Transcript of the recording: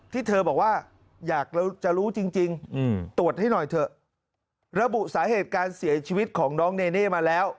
ที่เธอบอกว่าอยากเราจะรู้จริงตรวจให้หน่อยเถอะระบุสาเหตุการเสียชีวิตของน้องเนเน่มาแล้ว